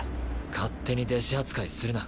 勝手に弟子扱いするな。